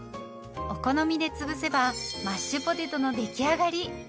お好みで潰せばマッシュポテトの出来上がり。